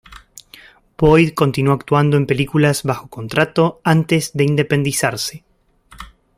Boyd continuó actuando en películas bajo contrato antes de independizarse.